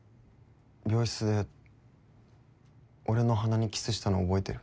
病室で俺の鼻にキスしたの覚えてる？